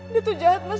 dia tuh jahat mas